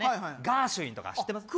ガーシュウィンとか知ってます？